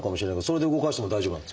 それで動かしても大丈夫なんですか？